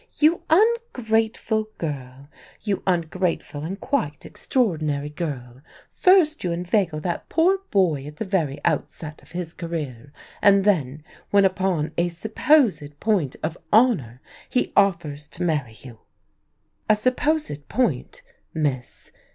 "You ungrateful girl! You ungrateful and quite extraordinary girl! First you inveigle that poor boy at the very outset of his career, and then when upon a supposed point of honour he offers to marry you " "A 'supposed' point, miss?